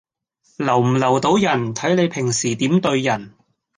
留唔留到人，睇你平時點對人